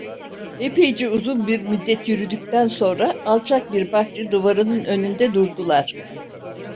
Epeyce uzun bir müddet yürüdükten sonra alçak bir bahçe duvarının önünde durdular.